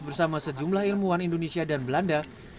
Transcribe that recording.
bersama sejumlah ilmuwan indonesia dan belanda